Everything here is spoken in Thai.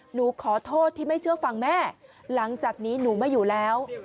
หนูขอโทษที่ไม่เชื่อฟังแม่หลังจากนี้หนูไม่อยู่แล้ว